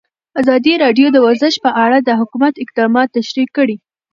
ازادي راډیو د ورزش په اړه د حکومت اقدامات تشریح کړي.